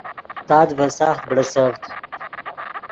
تات ڤے ساخت بڑیڅڤد